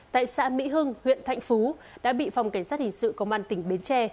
tại xã mỹ hưng huyện thạnh phú đã bị phòng cảnh sát hình sự công an tỉnh bến tre